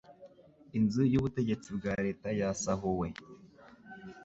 Inzu yubutegetsi bwa leta yasahuwe.